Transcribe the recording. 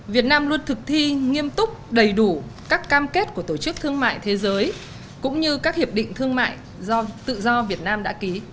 việt nam luôn thực thi nghiêm túc đầy đủ các cam kết của tổ chức thương mại thế giới cũng như các hiệp định thương mại tự do việt nam đã ký